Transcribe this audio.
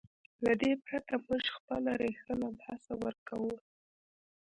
له دې پرته موږ خپله ریښه له لاسه ورکوو.